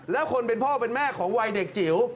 แล้วคนเป็นพ่อเป็นแม่ของวัยเด็กจิ๋ว